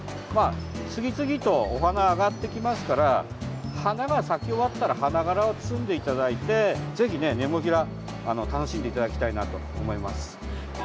次々とお花があがってきますから花が咲き終わったら花がらを摘んでいただいてぜひネモフィラを楽しんでいただきたいなと思います。